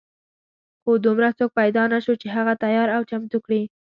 خو دومره څوک پیدا نه شو چې هغه تیار او چمتو کړي.